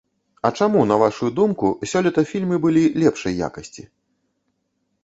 А чаму, на вашую думку, сёлета фільмы былі лепшай якасці?